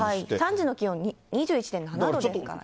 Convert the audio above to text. ３時の気温２１．７度ですからね。